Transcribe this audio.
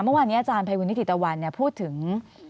เมื่อวานนี้อาจารย์ภัยบุญนิติตะวันพูดถึง